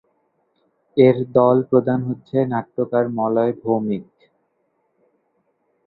এর দল প্রধান হচ্ছেন নাট্যকার মলয় ভৌমিক।